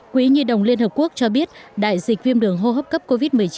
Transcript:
quỹ nhi đồng liên hợp quốc cho biết đại dịch viêm đường hô hấp cấp covid một mươi chín